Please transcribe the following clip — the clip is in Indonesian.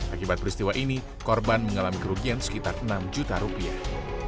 akibat peristiwa ini korban mengalami kerugian sekitar enam juta rupiah